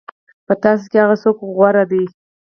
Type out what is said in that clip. په تاسو کې هغه څوک غوره دی.